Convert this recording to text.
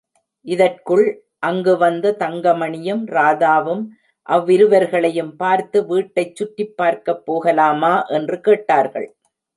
இதற்குள் அங்கு வந்த தங்கமணியும், ராதாவும் அவ்விருவர்களையும் பார்த்து, வீட்டைச் சுற்றிப் பார்க்கப் போகலாமா? என்று கேட்டார்கள்.